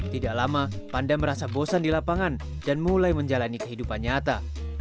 tidak lama panda merasa bosan di lapangan dan mulai menjalani kehidupan nyata